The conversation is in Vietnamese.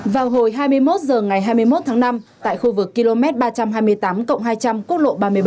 vào hồi hai mươi một h ngày hai mươi một tháng năm tại khu vực km ba trăm hai mươi tám cộng hai trăm linh quốc lộ ba mươi bảy